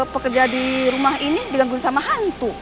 pekerja di rumah ini diganggu sama hantu